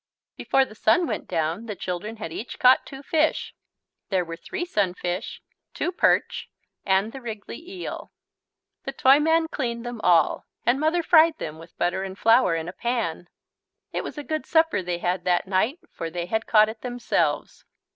Before the sun went down, the children had each caught two fish. There were three sunfish, two perch, and the wriggly eel. The Toyman cleaned them all. And Mother fried them with butter and flour in a pan. It was a good supper they had that night, for they had caught it themselves.